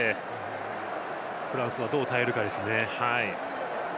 フランスは、どう耐えるかですね。